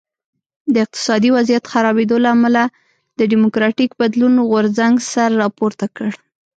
د اقتصادي وضعیت خرابېدو له امله د ډیموکراټیک بدلون غورځنګ سر راپورته کړ.